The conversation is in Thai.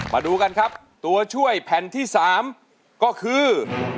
มาดูกันครับตัวช่วยแผ่นที่๓ก็คือ